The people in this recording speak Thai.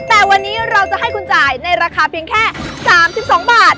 แต่วันนี้เราจะให้คุณจ่ายในราคาเพียงแค่๓๒บาท